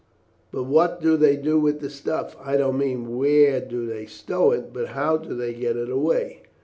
"But what do they do with the stuff? I don't mean, where do they stow it, but how do they get it away?"